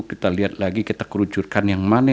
kita lihat lagi kita kerucurkan yang mana